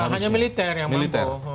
ya hanya militer yang mampu